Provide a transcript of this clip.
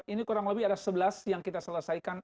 ini kurang lebih ada sebelas yang kita selesaikan